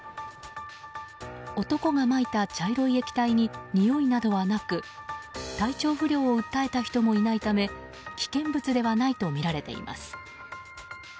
男がまいた茶色い液体ににおいなどはなく体調不良を訴えた人もいないため危険物ではないとみられています。